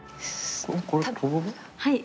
はい。